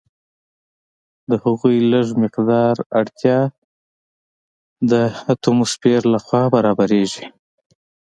د هغوی لږ مقدار اړتیا د اټموسفیر لخوا برابریږي.